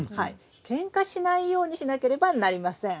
けんかしないようにしなければなりません。